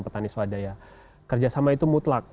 petani swadaya kerjasama itu mutlak